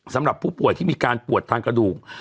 สำหรับผู้ป่วยที่มีการปวดทางกระดูก